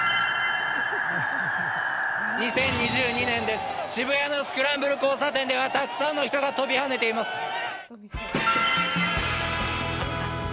２０２２年です、渋谷のスクランブル交差点ではたくさんの人が跳びはねています。